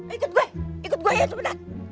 ikut gue ikut gue ya teman teman